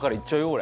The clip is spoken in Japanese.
俺。